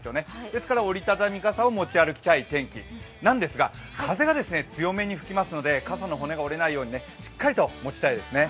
ですから折り畳み傘を持ち歩きたい天気なんですが、風が強めに吹きますので、傘の骨が折れないようにしっかりと持ちたいですね。